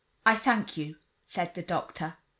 "I thank you," said the doctor.